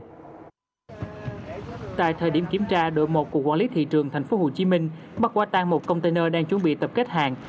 tại thời điểm kiểm tra đội một của quản lý thị trường tp hcm bắt quả tan một container đang chuẩn bị tập kết hàng